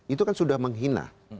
itu kan sudah menghina